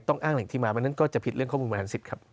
ต้องอ้างอย่างที่มาอันนั้นก็จะผิดเรื่องข้อมูลมหาลสิทธิ์ครับ